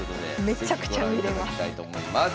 めちゃくちゃ見れます。